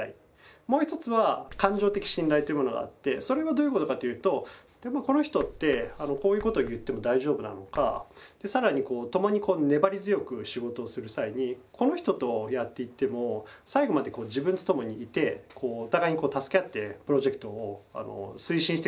もう一つは感情的信頼というものがあってそれはどういうことかというとこの人ってこういうこと言っても大丈夫なのか更に共に粘り強く仕事をする際にこの人とやっていっても最後まで自分と共にいてお互いに助け合ってプロジェクトを推進してくれるのか。